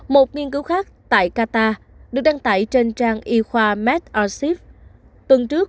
một nghiên cứu khác tại qatar được đăng tải trên trang y khoa medarchive tuần trước